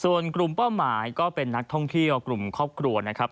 ส่วนกลุ่มเป้าหมายก็เป็นนักท่องเที่ยวกลุ่มครอบครัวนะครับ